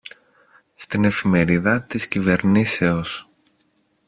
στην Εφημερίδα της Κυβερνήσεως